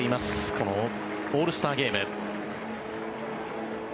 このオールスターゲーム。